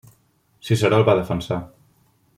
Ciceró el va defensar.